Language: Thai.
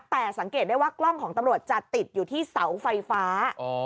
แต่สังเกตได้ว่ากล้องของตำรวจจะติดอยู่ที่เสาไฟฟ้า